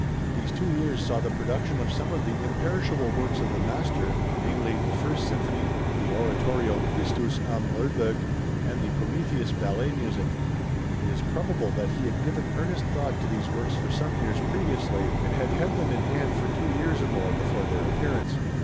These two years saw the production of some of the imperishable works of the master, namely: the First Symphony, the Oratorio Christus am Oelberg, and the Prometheus Ballet Music. It is probable that he had given earnest thought to these works for some years previously, and had had them in hand for two years or more before their appearance.